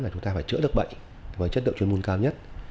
là chúng ta phải chữa được bệnh với chất lượng chuyên môn cao nhất